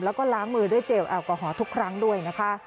แล้วก็ล้างมือด้วยเจลแอลกอฮอลทุกครั้งด้วยนะคะ